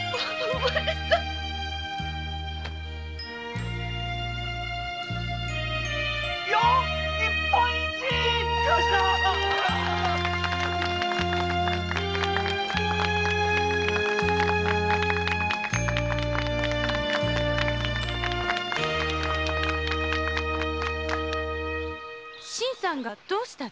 新さんがどうしたって？